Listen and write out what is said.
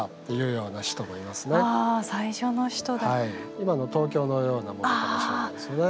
今の東京のようなものかもしれないですね。